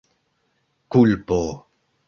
kulpo